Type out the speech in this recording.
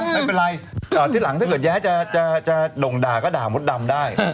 ไว้เป็นไรทีหลังถ้าเย๊จะหลงด่าก็ด่าบทดำได้